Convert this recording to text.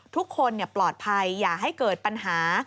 ทุกคนปลอดภัยอย่าให้เกิดปัญหา